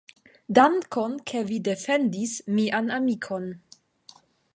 Dankon, ke vi defendis mian amikon.